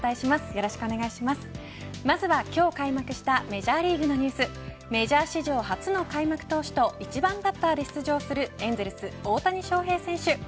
まずは今日開幕したメジャーリーグのニュースメジャー史上初の開幕投手と１番バッターで出場するエンゼルス、大谷翔平選手